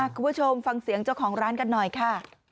คุณผู้ชมฟังเสียงเจ้าของร้านกันหน่อยค่ะ